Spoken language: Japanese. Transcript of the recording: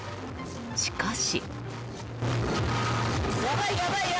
しかし。